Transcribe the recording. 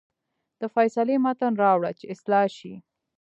د فیصلې متن راوړه چې اصلاح شي.